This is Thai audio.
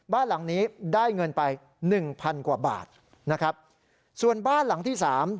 บ้านหลังนี้ได้เงินไปหนึ่งพันกว่าบาทนะครับส่วนบ้านหลังที่สาม